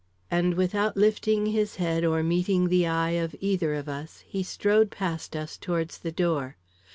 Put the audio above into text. And, without lifting his head or meeting the eye of either of us, he strode past us towards the door.